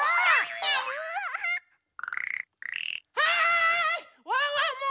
はい！